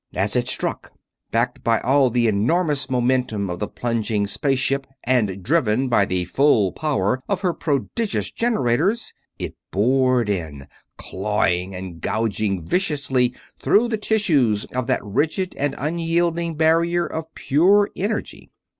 As it struck, backed by all the enormous momentum of the plunging space ship and driven by the full power of her prodigious generators it bored in, clawing and gouging viciously through the tissues of that rigid and unyielding barrier of pure energy.